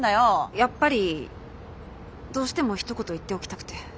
やっぱりどうしてもひと言言っておきたくて。